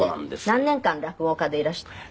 何年間落語家でいらした。